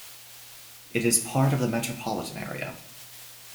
It is part of the metropolitan area.